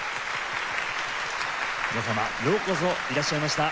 皆様ようこそいらっしゃいました。